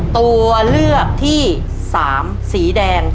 ตัวเลือกที่๓สีแดง